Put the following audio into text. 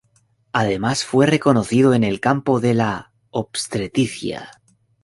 Además fue reconocido en el campo de la obstetricia.